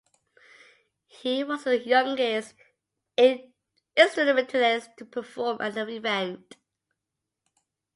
He was the youngest instrumentalist to perform at the event.